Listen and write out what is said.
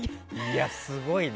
すごいね。